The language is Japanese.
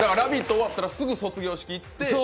終わったら、すぐ卒業式行って？